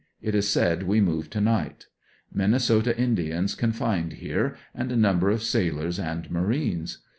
It is said we move to night. Minnesota Indians confined here, and a number of sailors and marines.